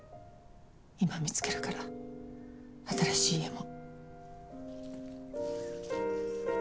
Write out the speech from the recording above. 今見つけるから新しい家も。